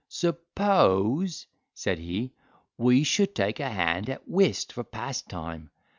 "Suppose," said he, "we should take a hand at whist for pastime.